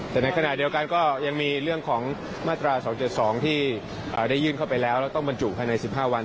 แต่ในขณะเดียวกันก็ยังมีเรื่องของมาตรา๒๗๒ที่ได้ยื่นเข้าไปแล้วแล้วต้องบรรจุภายใน๑๕วัน